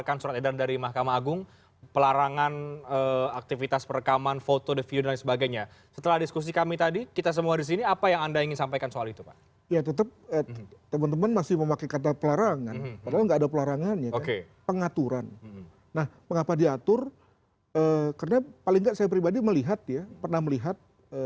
karena paling tidak saya pribadi melihat pernah melihat